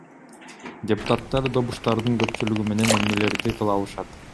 Депутаттар добуштардын көпчүлүгү менен эмнелерди кыла алышат?